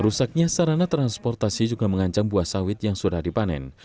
rusaknya sarana transportasi juga mengancam buah sawit yang sudah dipanen